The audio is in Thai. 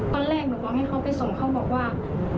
ตอนแรกหนูบอกให้เขาไปส่งเขาบอกว่า